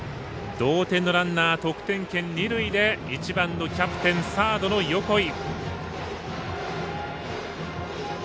同点のランナー得点圏二塁で１番のキャプテン、サードの横井。